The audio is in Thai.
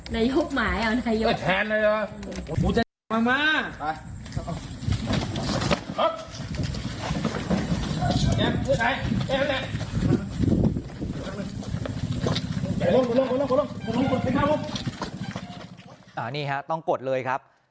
นี่ฮะต้องกดเลยครับ